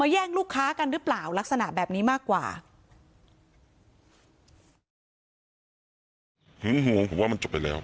มาแย่งลูกค้ากันหรือเปล่าลักษณะแบบนี้มากกว่า